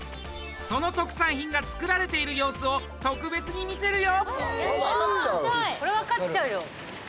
その特産品が作られている様子を特別に見せるよ！